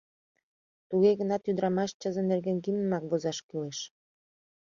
Туге гынат ӱдырамаш чызе нерген гимнымак возаш кӱлеш.